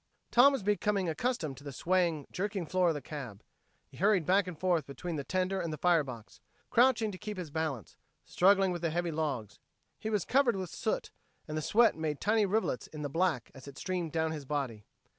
Tom was becoming accustomed to the swaying, jerking floor of the cab. He hurried back and forth between the tender and the fire box, crouching to keep his balance, struggling with the heavy logs. He was covered with soot, and the sweat made tiny rivulets in the black as it streamed down his body.